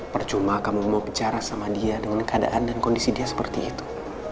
percuma kamu mau bicara sama dia dengan keadaan dan kondisi dia seperti itu